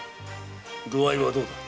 具合はどうだ？